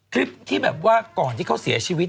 คลิปที่แบบว่าก่อนที่เขาเสียชีวิต